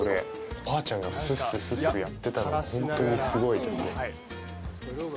おばあちゃんがすっすっすっすっやってたのが本当にすごいですね。